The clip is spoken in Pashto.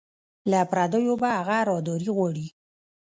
له پردیو به هغه راهداري غواړي